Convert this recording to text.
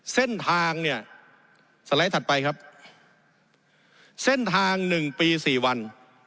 เส้นทางเนี่ยสไลด์ถัดไปครับเส้นทาง๑ปี๔วัน